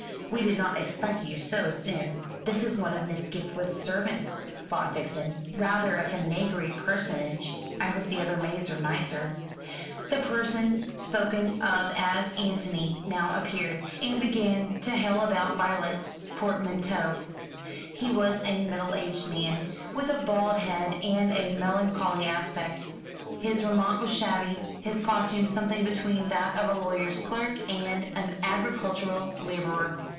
We did not expect you so soon." "This is one of Miss Skipwith's servants," thought Vixen; "rather a vinegary personage. I hope the other maids are nicer." The person spoken of as Antony now appeared, and began to hale about Violet's portmanteaux. He was a middle aged man, with a bald head and a melancholy aspect. His raiment was shabby; his costume something between that of a lawyer's clerk and an agricultural labourer.